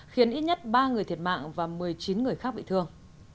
khiến ít nhất ba người thiệt mạng và một mươi chín người khác bị thương